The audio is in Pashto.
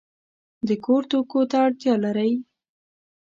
د کور توکو ته اړتیا لرئ؟